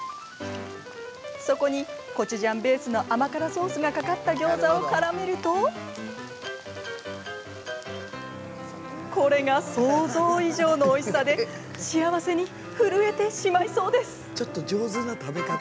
そこに、コチュジャンベースの甘辛ソースがかかったギョーザをからめるとこれが想像以上のおいしさで幸せに震えてしまいそうです。